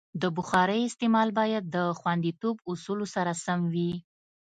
د بخارۍ استعمال باید د خوندیتوب اصولو سره سم وي.